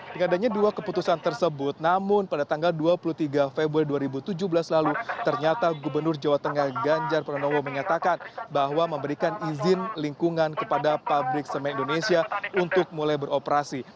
dengan adanya dua keputusan tersebut namun pada tanggal dua puluh tiga februari dua ribu tujuh belas lalu ternyata gubernur jawa tengah ganjar pranowo menyatakan bahwa memberikan izin lingkungan kepada pabrik semen indonesia untuk mulai beroperasi